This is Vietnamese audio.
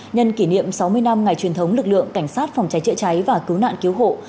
nhân kỷ niệm sáu mươi năm ngày truyền thống lực lượng cảnh sát phòng cháy chữa cháy và cứu nạn cứu hộ